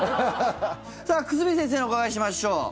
さあ、久住先生にお伺いしましょう。